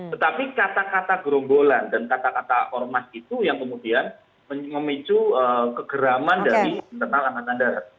tetapi kata kata gerombolan dan kata kata ormas itu yang kemudian memicu kegeraman dari internal angkatan darat